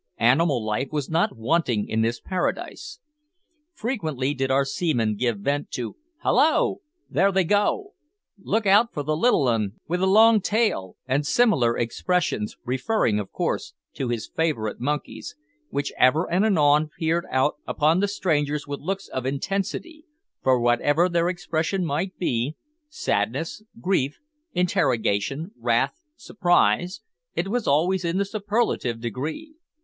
Animal life was not wanting in this paradise. Frequently did our seaman give vent to "Hallo!" "There they go!" "Look out for the little 'un wi' the long tail!" and similar expressions, referring of course to his favourite monkeys, which ever and anon peered out upon the strangers with looks of intensity, for whatever their expression might be sadness, grief, interrogation, wrath, surprise it was always in the superlative degree.